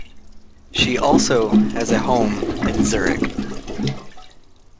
She also has a home in Zurich.